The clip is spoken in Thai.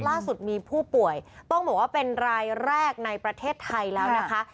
ล่าสุดมีผู้ป่วยต้องบอกว่าเป็นรายแรกในประเทศไทยแล้วนะคะ